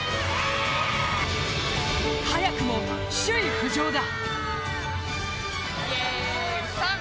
早くも首位浮上だ。